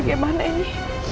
pak ustadz bagaimana ini